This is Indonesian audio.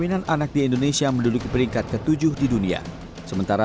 it kiedy menemukkan nama koordinator